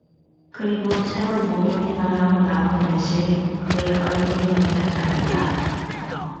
그리고 새로 목욕이나 하고 나오는 듯이 그의 얼굴은 윤택 하였다.